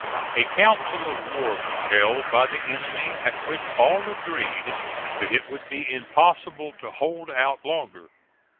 A council of war was held by the enemy at which all agreed that it would be impossible to hold out longer.